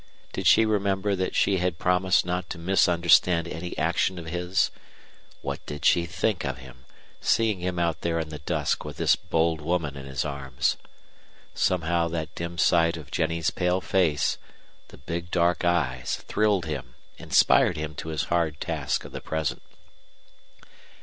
Did she remember that she had promised not to misunderstand any action of his? What did she think of him, seeing him out there in the dusk with this bold woman in his arms? Somehow that dim sight of Jennie's pale face, the big dark eyes, thrilled him, inspired him to his hard task of the present.